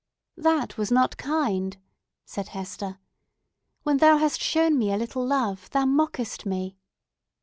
"That was not kind!" said Hester. "When thou hast shown me a little love, thou mockest me!"